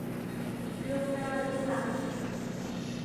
ลูบหน้าลูบหลัง